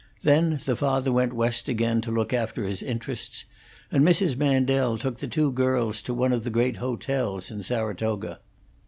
Then the father went West again to look after his interests; and Mrs. Mandel took the two girls to one of the great hotels in Saratoga.